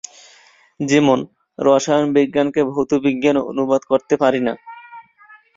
যেমন, রসায়ন বিজ্ঞানকে ভৌত বিজ্ঞানে অনুবাদ করতে পারি কি না?